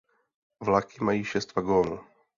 Vlaky mají šest vagónů.